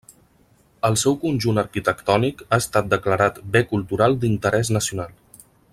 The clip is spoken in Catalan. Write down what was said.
El seu conjunt arquitectònic ha estat declarat bé cultural d'interès nacional.